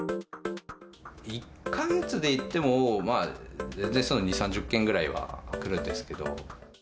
１か月でいっても、まあ全然、２、３０件ぐらいは来るんですけど。